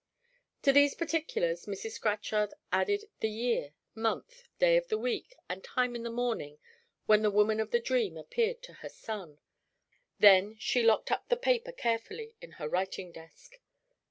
To these particulars Mrs. Scatchard added the year, month, day of the week, and time in the morning when the woman of the dream appeared to her son. She then locked up the paper carefully in her writing desk.